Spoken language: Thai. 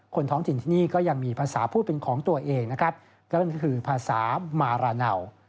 คนท้องถิ่นที่นี่ก็ยังมีภาษาพูดเป็นของตัวเองก็คือภาษามาราเนา